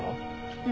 うん。